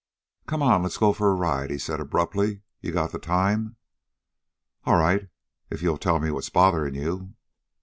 "Come on, let's go for a ride," he said abruptly. "You've got the time." "All right, if you'll tell me what's bothering you."